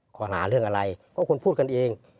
ข้อหาเรื่องอะไรเพราะคุณพูดกันเอง